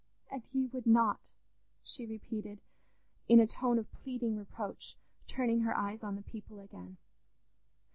'... and ye would not," she repeated, in a tone of pleading reproach, turning her eyes on the people again.